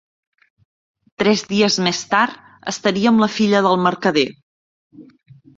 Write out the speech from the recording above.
Tres dies més tard, estaria amb la filla del mercader.